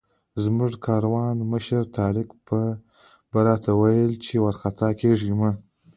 زموږ د کاروان مشر طارق به راته ویل چې وارخطا کېږه مه.